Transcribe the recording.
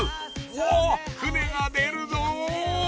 お船が出るぞ